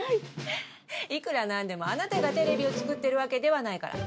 いくら何でもあなたがテレビをつくってるわけではないから。